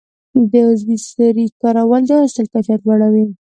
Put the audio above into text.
د عضوي سرې کارول د حاصل کیفیت لوړوي.